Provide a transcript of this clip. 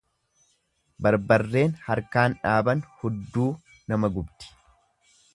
Barbareen harkaan dhaaban hudduu nama gubdi.